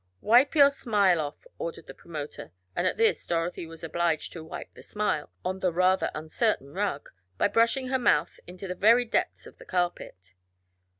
"Wipe your smile off," ordered the Promoter, and at this Dorothy was obliged to "wipe the smile" on the rather uncertain rug, by brushing her mouth into the very depths of the carpet.